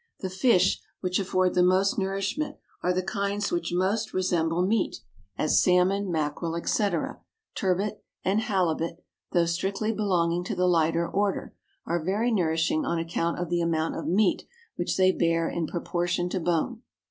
The fish which afford the most nourishment are the kinds which most resemble meat, as salmon, mackerel, &c. turbot and halibut, though strictly belonging to the "lighter" order, are very nourishing on account of the amount of meat which they bear in proportion to bone.